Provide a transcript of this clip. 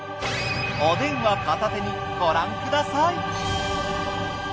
お電話片手にご覧ください。